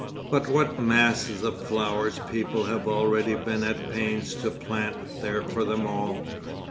But what masses of flowers people have already been at pains to plant there for them all.